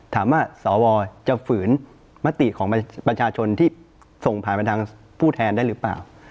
ถามว่าสวจะฝืนมติของประชาชนที่ส่งผ่านไปทางผู้แทนได้หรือเปล่า